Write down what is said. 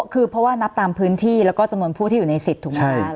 คือเพราะว่านับตามพื้นที่แล้วก็จำนวนผู้ที่อยู่ในสิทธิ์ถูกไหมคะ